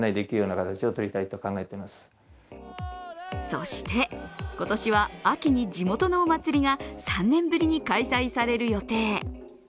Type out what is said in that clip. そして、今年は秋に地元のお祭りが３年ぶりに開催される予定。